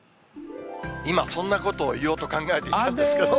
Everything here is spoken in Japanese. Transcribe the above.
今、そんなことを言おうと考えていたんですけど。